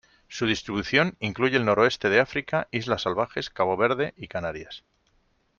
Su distribución incluye el Noroeste de África, Islas Salvajes, Cabo Verde y Canarias.